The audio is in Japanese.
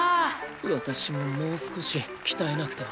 私ももう少し鍛えなくては。